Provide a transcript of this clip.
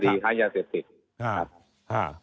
คดีฮายาเศรษฐิต